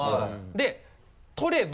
で取れば。